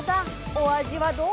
お味はどう？